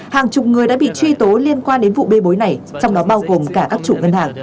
hàng chục người đã bị truy tố liên quan đến vụ bê bối này trong đó bao gồm cả các chủ ngân hàng